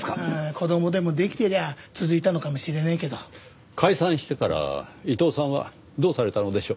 子供でもできてりゃ続いたのかもしれねえけど。解散してから伊藤さんはどうされたのでしょう？